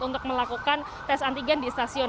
untuk melakukan tes antigen di stasiun